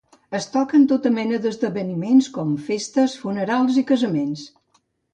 Es toca en tota mena d'esdeveniments com festes, funerals i casaments.